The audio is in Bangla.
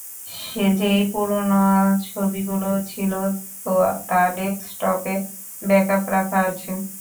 যেই পুরনো ছবিগুলো ছিল তা ডেস্কটপে ব্যাকআপ রাখা আছে।